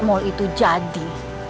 mal itu jadi